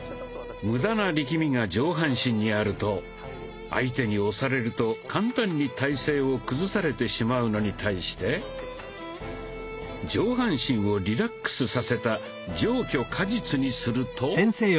無駄な力みが上半身にあると相手に押されると簡単に体勢を崩されてしまうのに対して上半身をリラックスさせた「上虚下実」にすると。